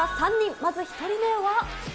まず１人目は？